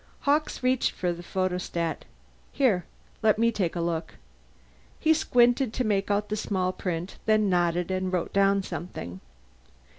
Hawkes reached for the photostat. "Here. Let me look at that." He squinted to make out the small print, then nodded and wrote down something.